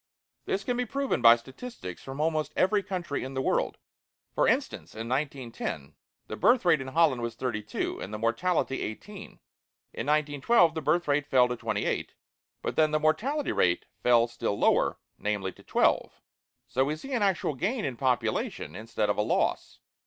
This can be proven by statistics from almost every country in the world. For instance, in 1910 the birth rate in Holland was 32, and the mortality 18; in 1912 the birth rate fell to 28, but then the mortality rate fell still lower, namely to 12, so we see an actual gain in population, instead of a loss.